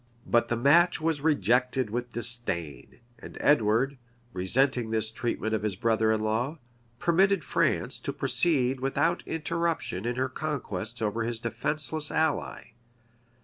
But the match was rejected with disdain;[*] and Edward, resenting this treatment of his brother in law, permitted France to proceed without interruption in her conquests over his defenceless ally.